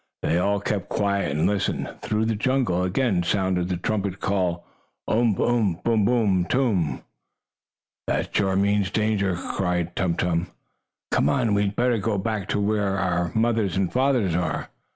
They all kept quiet and listened. Through the jungle again sounded the trumpet call: "Umph! Umph! Boom! Boom! Toom!" "That sure means danger!" cried Tum Tum. "Come on! We had better go back to where our fathers and mothers are."